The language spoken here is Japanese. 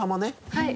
はい。